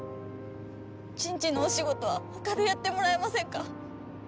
人事のお仕事はほかでやってもらえませんか？